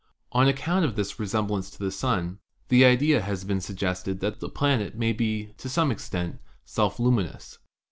On account of this resemblance to the ■ Sun, the idea has been sug gested that the planet may be, to some extent, self luminous.